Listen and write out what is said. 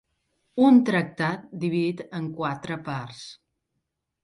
Un tractat dividit en quatre parts.